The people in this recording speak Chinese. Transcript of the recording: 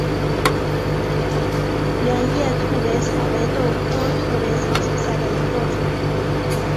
圆叶兔尾草为豆科兔尾草属下的一个种。